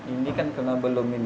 ini kan karena belum ini